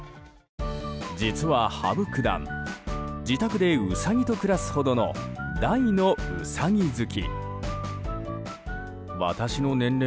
実は羽生九段自宅でウサギと暮らすほどの大のウサギ好き。